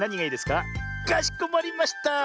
かしこまりました。